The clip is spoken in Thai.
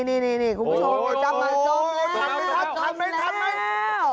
นี่นี่นี่คุณผู้ชมจับมาจมแล้วจำแล้ว